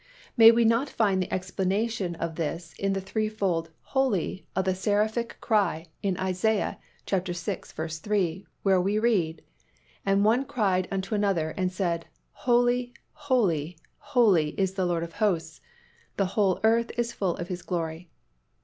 May we not find the explanation of this in the threefold "Holy" of the seraphic cry in Isaiah vi. 3, where we read, "And one cried unto another, and said, Holy, holy, holy, is the LORD of hosts: the whole earth is full of His glory."